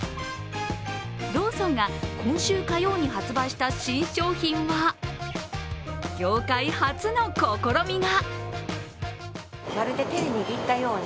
ローソンが今週火曜に発売した新商品は業界初の試みが。